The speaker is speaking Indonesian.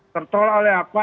tertolak oleh apa